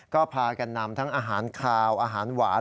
ก็พากันนำทั้งอาหารคาวอาหารหวาน